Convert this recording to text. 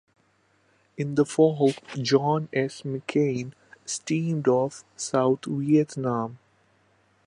In the fall, "John S. McCain" steamed off South Vietnam.